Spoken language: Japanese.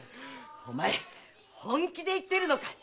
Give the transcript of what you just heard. お前本気で言ってるのかい？